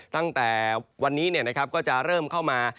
ตั้งแต่วันนี้ก็จะเริ่มเข้ามา